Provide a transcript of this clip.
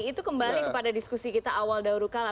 itu kembali kepada diskusi kita awal daurukala